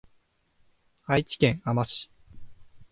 愛知県あま市